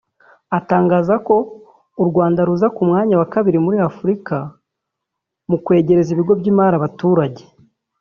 atangaza ko u Rwanda ruza ku mwanya wa kabiri muri Afurika mu kwegereza ibigo by’imari abaturage